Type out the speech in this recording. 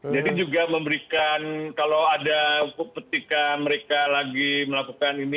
jadi juga memberikan kalau ada ketika mereka lagi melakukan ini